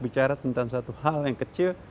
bicara tentang suatu hal yang kecil